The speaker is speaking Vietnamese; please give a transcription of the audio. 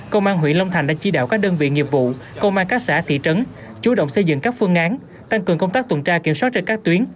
công an huyện long thành đã chỉ đạo các đơn vị nghiệp vụ công an các xã thị trấn chú động xây dựng các phương án tăng cường công tác tuần tra kiểm soát trên các tuyến